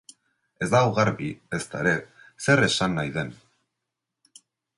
Ez dago garbi, ezta ere, zer esan nahi den.